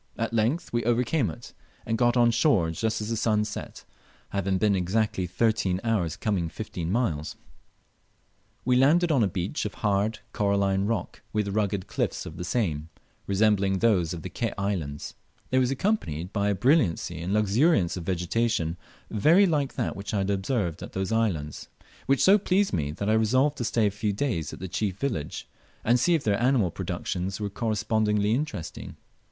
At length we overcame it, and got on shore just as the sun set, having been exactly thirteen hours coming fifteen miles. We landed on a beach of hard coralline rock, with rugged cliffs of the same, resembling those of the Ke Islands (Chap. XXIX.) It was accompanied by a brilliancy and luxuriance of the vegetation, very like what I had observed at those islands, which so much pleased me that I resolved to stay a few days at the chief village, and see if their animal productions were correspondingly interesting.